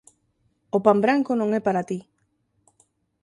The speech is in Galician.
O pan branco non é para ti